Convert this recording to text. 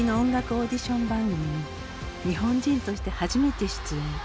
オーディション番組に日本人として初めて出演。